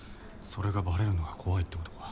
それがバレるのが怖いってことか。